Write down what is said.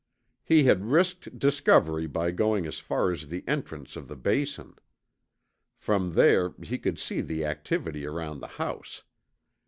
He had risked discovery by going as far as the entrance of the Basin. From there he could see the activity around the house.